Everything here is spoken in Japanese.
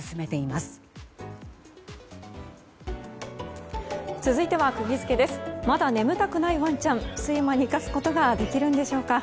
まだ眠たくないワンちゃん睡魔に勝つことができるんでしょうか。